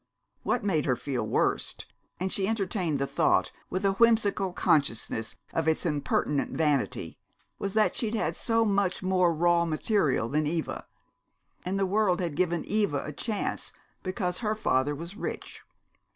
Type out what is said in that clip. What made her feel worst and she entertained the thought with a whimsical consciousness of its impertinent vanity was that she'd had so much more raw material than Eva! And the world had given Eva a chance because her father was rich.